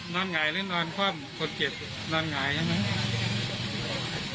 นอนหงายหรือนอนความคนเกตนอนหงายใช่ไหม